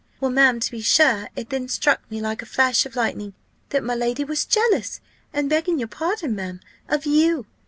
Well, ma'am, to be sure, it then struck me like a flash of lightning, that my lady was jealous and, begging your pardon, ma'am of you.